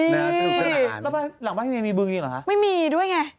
นี่แล้วหลังบ้านนี้มีบึงอีกเหรอฮะไม่มีด้วยไงอ๋อหรอ